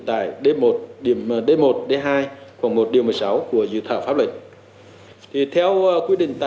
tại điểm d một d hai khoảng một điều một mươi sáu của dự thảo pháp luật